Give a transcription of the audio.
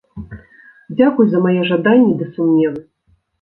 Дзякуй за мае жаданні ды сумневы.